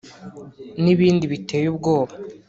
n’ibindi biteye ubwoba